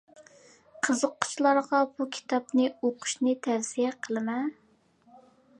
قىزىققۇچىلارغا بۇ كىتابنى ئوقۇشنى تەۋسىيە قىلىمەن.